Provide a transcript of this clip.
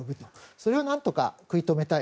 それを何とか食い止めたい。